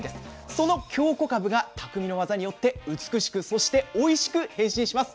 その京こかぶが匠の技によって美しくそしておいしく変身します。